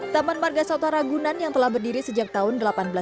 taman marga soto ragunan yang telah berdiri sejak tahun seribu delapan ratus enam puluh